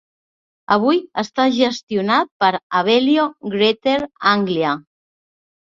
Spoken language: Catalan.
Avui està gestionat per Abellio Greater Anglia.